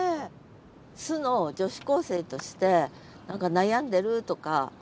素の女子高生として何か悩んでるとか。